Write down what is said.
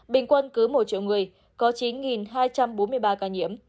bình quân cứ một triệu người có chín hai trăm bốn mươi ba ca nhiễm